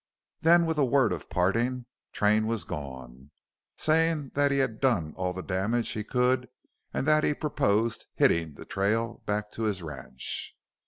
Then with a word of parting Train was gone, saying that he had done all the "damage" he could and that he purposed "hitting" the trail back to his ranch.